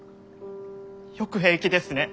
よく平気ですね。